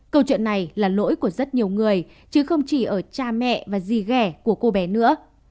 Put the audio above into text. câu chuyện này là lỗi của rất nhiều người chứ không chỉ ở cha mẹ và gì ghẻ của cô bé nữa